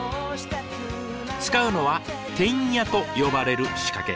使うのは「テンヤ」と呼ばれる仕掛け。